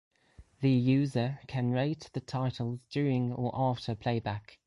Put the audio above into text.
The user can rate the titles during or after playback.